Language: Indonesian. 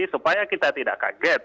supaya kita tidak kaget